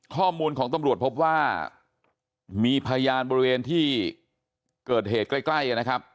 ข้อมูลของตำรวจพบว่ามีพยานบริเวณที่เกิดเหตุใกล้นะครับ